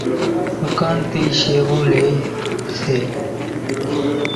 ڌُوڪانين ٿي شيوون لي سي۔